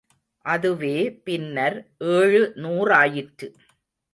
அதுவே பின்னர் ஏழுநூறாயிற்று.